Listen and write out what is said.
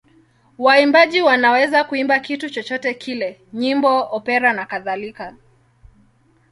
Waimbaji wanaweza kuimba kitu chochote kile: nyimbo, opera nakadhalika.